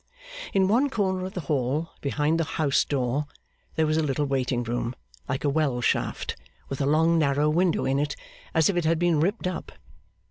In one corner of the hall, behind the house door, there was a little waiting room, like a well shaft, with a long narrow window in it as if it had been ripped up.